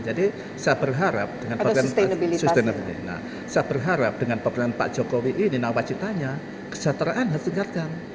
jadi saya berharap dengan pemerintah jokowi ini nawacitanya kesejahteraan harus diingatkan